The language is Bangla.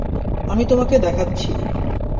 আমি তোমাকে দেখাচ্ছি।